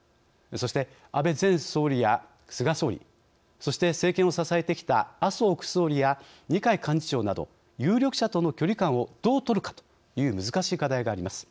そして政権を支えてきた麻生副総理や二階幹事長など有力者との距離感をどう取るかという難しい課題があります。